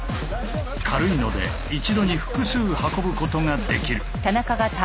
軽いので一度に複数運ぶことができる。